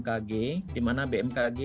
dimana bmkg di sini kita mengundang bmkg